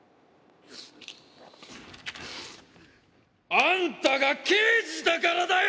あんたが刑事だからだよ！